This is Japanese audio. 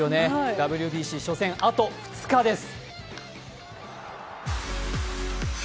ＷＢＣ初戦、あと２日です。